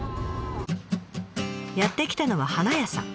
やって来たのは花屋さん。